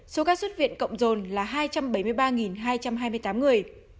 số ca xuất viện cộng rồn là hai trăm bảy mươi ba hai trăm hai mươi tám người